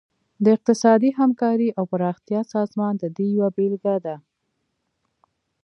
د اقتصادي همکارۍ او پراختیا سازمان د دې یوه بیلګه ده